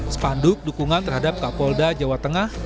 sepanduk dukungan terhadap kapolda jawa tengah